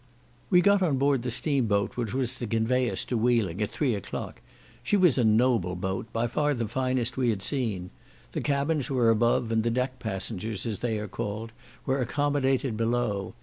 We got on board the steam boat which was to convey us to Wheeling at three o'clock. She was a noble boat, by far the finest we had seen. The cabins were above, and the deck passengers, as they are called, were accommodated below.